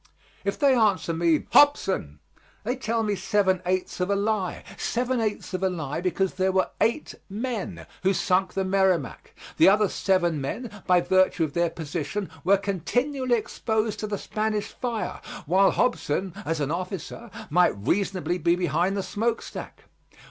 If they answer me "Hobson," they tell me seven eighths of a lie seven eighths of a lie, because there were eight men who sunk the Merrimac. The other seven men, by virtue of their position, were continually exposed to the Spanish fire, while Hobson, as an officer, might reasonably be behind the smoke stack.